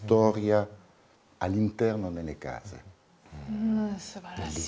うんすばらしい。